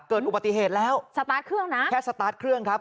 เกิดอุบัติเหตุแล้วสตาร์ทเครื่องนะแค่สตาร์ทเครื่องครับ